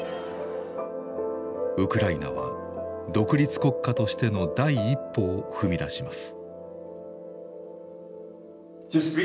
ウクライナは独立国家としての第一歩を踏み出します。